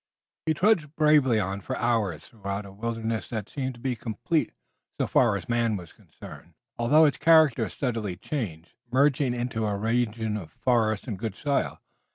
He trudged bravely on for hours through a wilderness that seemed to be complete so far as man was concerned, although its character steadily changed, merging into a region of forest and good soil.